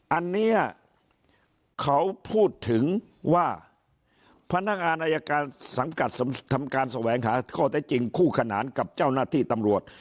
อันนี้เขาพูดถึงว่าพนักงานอายการสังกัดทำการแสวงหาข้อเท็จจริงคู่ขนานกับเจ้าหน้าที่ตำรวจ